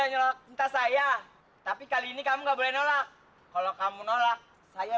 nah hai selama ini kan kamu udah nyokta saya tapi kali ini kamu nggak boleh nolak kalau kamu nolak saya